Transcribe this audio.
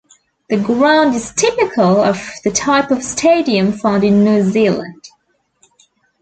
The ground is typical of the type of stadium found in New Zealand.